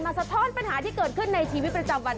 สะท้อนปัญหาที่เกิดขึ้นในชีวิตประจำวัน